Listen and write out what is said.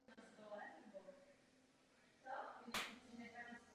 Doufám, že to budeme schopni v příštím Parlamentu napravit.